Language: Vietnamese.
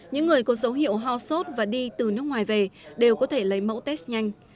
những người có dấu hiệu ho sốt và đi từ nước ngoài về đều có thể lấy mẫu test nhanh